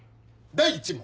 第１問！